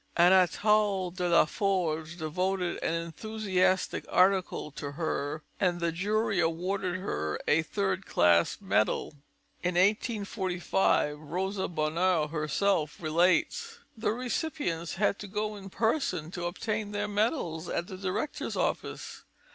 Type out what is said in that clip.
Anatole de la Forge devoted an enthusiastic article to her, and the jury awarded her a third class medal. "In 1845," Rosa Bonheur herself relates, "the recipients had to go in person to obtain their medals at the director's office.